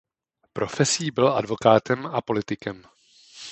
Profesí byl advokátem a politikem.